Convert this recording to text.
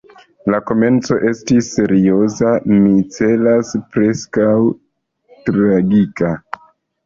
La komenco estis serioza, mi celas – preskaŭ tragika.